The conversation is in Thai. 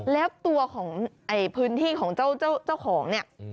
แล้วตัวของพื้นที่ของเจ้าของเนี่ย